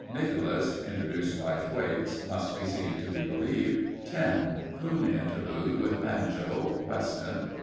Nicholas (introduced by Thwaites. Must be seen to be believed). 10. Coon Interlude with Banjo. Weston.